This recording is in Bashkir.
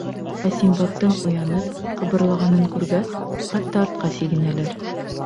Ә Синдбадтың уянып, ҡыбырлағанын күргәс, хатта артҡа сигенәләр.